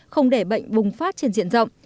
không để bệnh bùng phát trên diện rộng